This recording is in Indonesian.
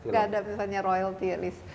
tidak ada misalnya royalty at least